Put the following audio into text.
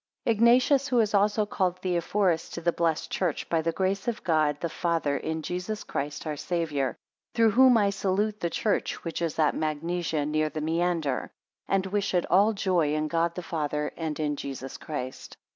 IGNATIUS, who is also called Theophorus, to the blessed church, by the grace of God the Father, in Jesus Christ our Saviour; through whom I salute the church which is at Magnesia, near the Maeander: and wish it all joy in God the Father, and in Jesus Christ.